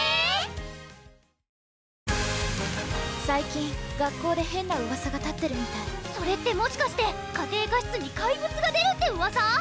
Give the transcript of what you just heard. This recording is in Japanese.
最近学校で変なうわさが立ってるみたいそれってもしかして家庭科室に怪物が出るってうわさ？